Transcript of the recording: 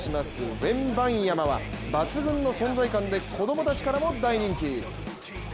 ウェンバンヤマは抜群の存在感で子供たちからも大人気。